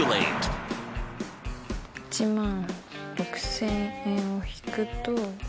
１６０００円を引くと。